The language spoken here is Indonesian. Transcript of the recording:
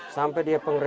sampai dia pengresmian